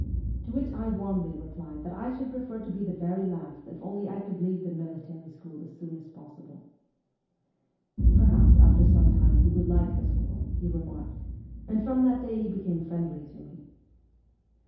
To which I warmly replied that I should prefer to be the very last if only I could leave the military school as soon as possible. ' Perhaps, after some time, you will like the school,' he remarked, and from that day he became friendly to me.